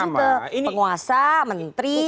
karena itu menuju ke penguasa menteri presiden